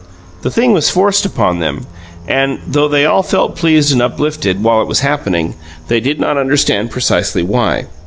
The thing was forced upon them, and, though they all felt pleased and uplifted while it was happening they did not understand precisely why.